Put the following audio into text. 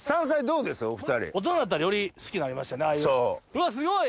うわすごい！